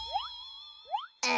あ。